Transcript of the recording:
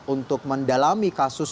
untuk mendalami kasus